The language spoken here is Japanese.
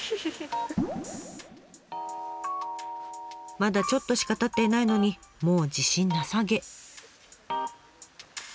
まだちょっとしかたっていないのにもう自信なさげ。